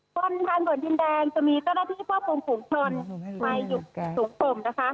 บนทางด่วนดินแดงจะมีต้นอาทิตย์พ่อภูมิขุมทนไปอยู่สูงกลมนะคะ